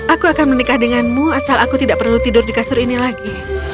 aku akan menikah denganmu asal aku tidak perlu tidur di kasur ini lagi